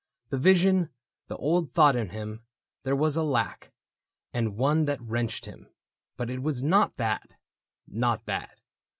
The vision, the old thought in him. There was A lack, and one that wrenched him ; but it was Not that — not that.